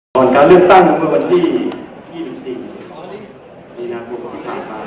ก่อนการเลือกตั้งเมื่อวันที่๒๔นี้นาภูมิข้างฟ้า